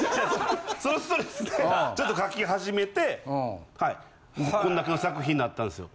そのストレスでちょっと描き始めてこんだけの作品になったんですよ。